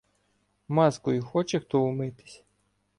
Мазкою хоче хто умитись?